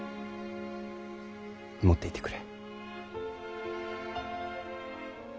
持っていてくれ。